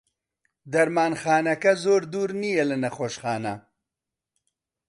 دەرمانخانەکە زۆر دوور نییە لە نەخۆشخانە.